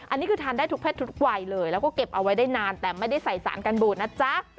อันนี้คือทานได้ทุกเพศทุกวัยเลยแล้วก็เก็บเอาไว้ได้นานแต่ไม่ได้ใส่สารกันบูดนะจ๊ะ